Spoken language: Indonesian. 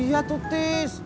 oh iya tuh tis